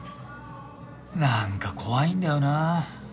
なんか怖いんだよなぁ。